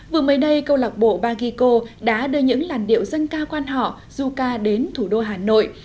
vừa mới đây câu lạc bộ baguico đã đưa những làn điệu dân ca quan họ zuka đến thủ đô hà nội